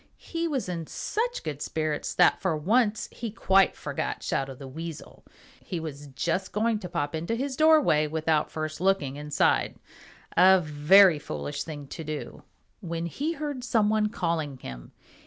He was in such good spirits that for once he quite forgot Shadow the Weasel. He was just going to pop into his doorway without first looking inside, a very foolish thing to do, when he heard some one calling him.